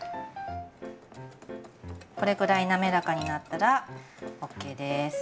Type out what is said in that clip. これくらい滑らかになったらＯＫです。